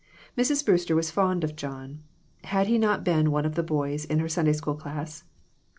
Mrs. Brewster was fond of John. Had he not been one of the boys in her Sunday School class?